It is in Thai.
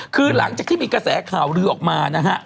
คือหลังจากที่มีกระแสข่าวลือออกมานะฮะ